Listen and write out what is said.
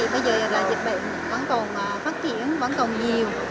bây giờ là dịch bệnh vẫn còn phát triển vẫn còn nhiều